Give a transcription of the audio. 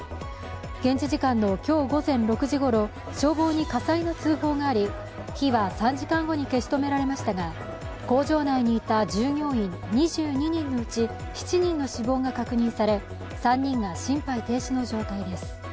現地時間の今日午前６時ごろ消防に火災の通報があり、火は３時間後に消し止められましたが工場内にいた従業員２２人のうち７人の死亡が確認され３人が心肺停止の状態です。